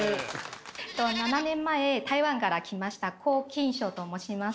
７年前台湾から来ましたコウ・キンショウと申します。